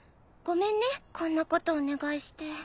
ごめんねこんなことお願いして。